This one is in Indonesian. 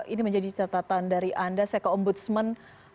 ini menjadi catatan dari anda saya ke ombudsman